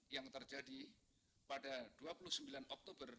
yang terjadi pada dua puluh sembilan oktober